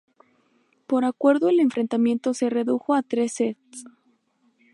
Por acuerdo el enfrentamiento se redujo a tres sets.